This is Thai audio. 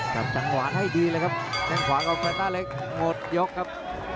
จับจังหวะให้ดีเลยครับแข้งขวาของแฟนต้าเล็กหมดยกครับ